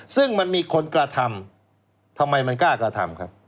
ซึ่งมันมีคนกระทำทำไมมันกล้ากระทำครับ